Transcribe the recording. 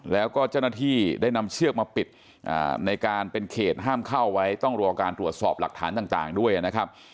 แล้วก็เจ้าหน้าที่ได้นำเชือกมาปิดในการเป็นเขตห้ามเข้าไว้ต้องรอการตรวจสอบหลักฐานต่างด้วยนะครับ